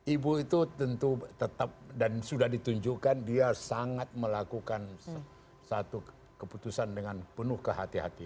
ibu itu tentu tetap dan sudah ditunjukkan dia sangat melakukan satu keputusan dengan penuh kehatian hati